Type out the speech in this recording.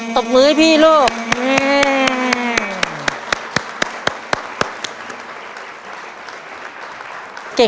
ตบมือให้พี่ลูก